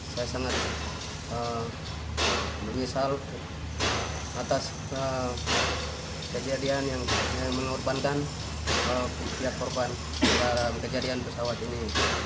saya sangat menyesal atas kejadian yang mengorbankan pihak korban dalam kejadian pesawat ini